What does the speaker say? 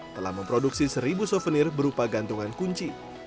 telah memproduksi seribu souvenir berupa gantungan kunci